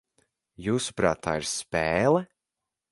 Jūsuprāt, tā ir spēle?